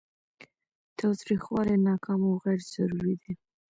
تاوتریخوالی ناکام او غیر ضروري دی.